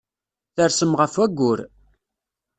Tersem ɣef wayyur.